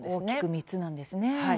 大きく３つなんですね。